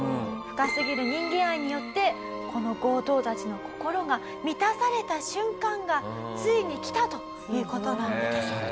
深すぎる人間愛によってこの強盗たちの心が満たされた瞬間がついに来たという事なんです。